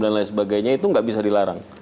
dan lain sebagainya itu tidak bisa dilarang